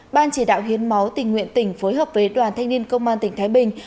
ban chỉ đạo hiến máu tình nguyện tỉnh phối hợp với đoàn thanh niên công an tỉnh thái bình